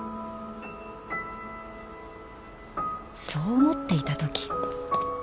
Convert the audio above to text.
そう思っていた時。